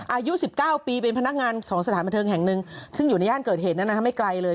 อายุ๑๙ปีเป็นพนักงาน๒สถานบันเทิงแห่งหนึ่งซึ่งอยู่ในย่านเกิดเหตุนั้นไม่ไกลเลย